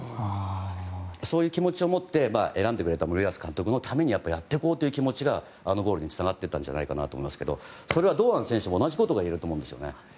そういう気持ちをもって選んでくれた森保監督のためにやっていこうという気持ちがあのゴールにつながったのではと思いますけどそれは堂安選手も同じことがいえると思うんです。